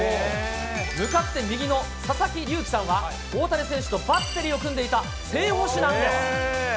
向かって右の佐々木隆貴さんは大谷選手とバッテリーを組んでいた正捕手なんです。